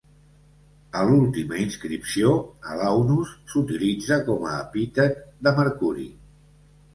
A l'última inscripció, Alaunus s'utilitza com a epítet de Mercuri.